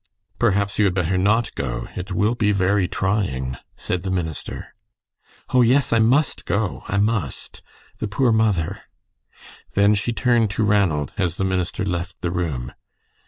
"Perhaps you had better not go. It will be very trying," said the minister. "Oh, yes, I must go. I must. The poor mother!" Then she turned to Ranald as the minister left the room.